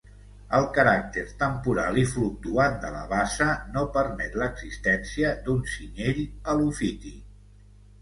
El caràcter temporal i fluctuant de la bassa no permet l'existència d'un cinyell helofític.